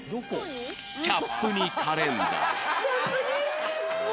キャップにカレンダー